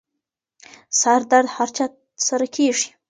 سردرد هر چا سره کېږي.